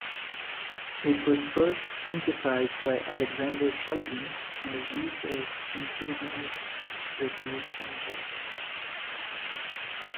It was first synthesized by Alexander Shulgin and is used as entheogenic recreational drug.